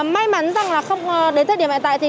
may mắn đến thời điểm hiện tại